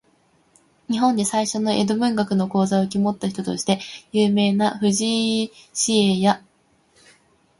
日本で最初の江戸文学の講座を受け持った人として有名な藤井紫影や、